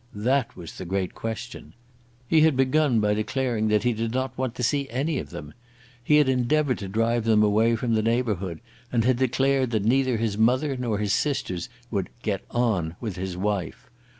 That was the great question. He had begun by declaring that he did not want to see any of them. He had endeavoured to drive them away from the neighbourhood, and had declared that neither his mother nor his sisters would "get on" with his wife.